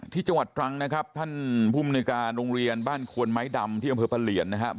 จังหวัดตรังนะครับท่านภูมิในการโรงเรียนบ้านควนไม้ดำที่อำเภอประเหลียนนะครับ